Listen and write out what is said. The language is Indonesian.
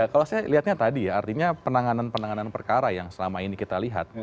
kalau saya lihatnya tadi ya artinya penanganan penanganan perkara yang selama ini kita lihat